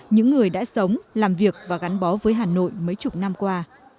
những người đã sống làm việc và gắn bó với hà nội mấy chục năm qua